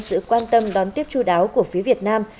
sự quan tâm đón tiếp chú đáo của phía việt nam